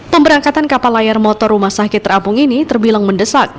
pemberangkatan kapal layar motor rumah sakit terapung ini terbilang mendesak